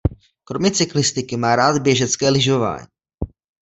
Kromě cyklistiky má rád běžecké lyžování.